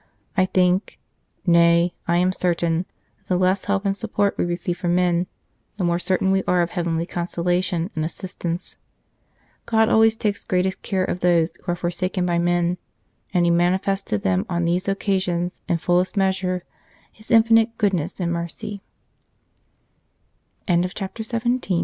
I think nay, I am certain that the less help and support we receive from men, the more certain we are of heavenly consolation and assistance. God always takes greatest care of those who are forsaken by men, and He manifests to them on these occasions in fullest measure His infinit